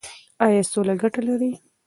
ایا سوله ګټه لري؟